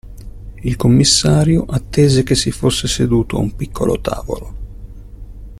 Il commissario attese che si fosse seduto a un piccolo tavolo.